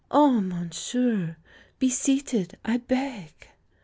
"Ah, monsieur! be seated, I beg."